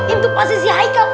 itu pas sesi haikal